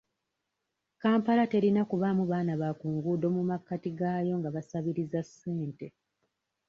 Kampala terina kubaamu baana ba ku nguudo mu makkati gaayo nga basabiriza ssente.